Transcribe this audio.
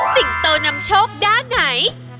โตนำโชคด้านไหน